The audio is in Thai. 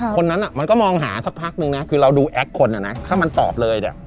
คนนั้นมันก็มองหาสักพักนึงนะคือเราดูแอคคนอ่ะนะถ้ามันตอบเลยเนี่ย